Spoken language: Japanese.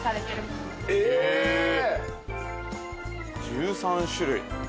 １３種類。